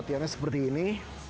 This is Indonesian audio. latihannya seperti ini